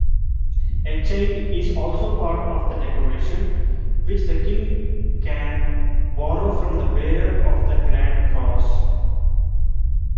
A chain is also part of the decoration, which the King can borrow from the bearer of the Grand Cross.